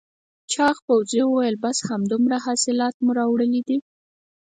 چاغ پوځي وویل بس همدومره حاصلات مو راوړل دي؟